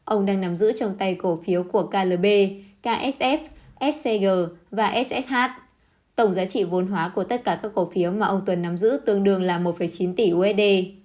ông đang nắm giữ trong tay cổ phiếu của klb ksf scg và ssh tổng giá trị vôn hóa của tất cả các cổ phiếu mà ông tuấn nắm giữ tương đương là một chín tỷ usd